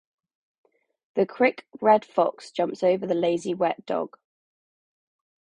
The quick red fox jumps over the lazy wet dog